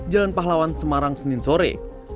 jalan pahlawan semarang senin sore